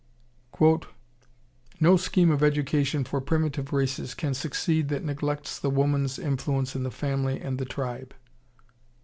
"No scheme of education for primitive races can succeed that neglects the woman's influence in the family and the tribe."